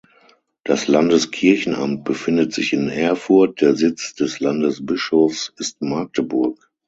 Das Landeskirchenamt befindet sich in Erfurt, der Sitz des Landesbischofs ist Magdeburg.